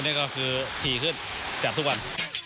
นี่ก็คือถี่ขึ้นจัดทุกวัน